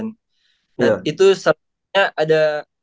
nah itu selanjutnya ada